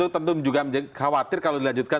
tentu juga khawatir kalau dilanjutkan